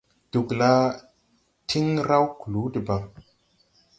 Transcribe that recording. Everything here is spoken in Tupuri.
Ɗugla tiŋ raw kluu debaŋ.